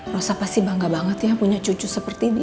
rosa pasti bangga banget ya punya cucu seperti dia